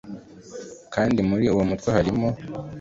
kandi muri uwo mutwe harimo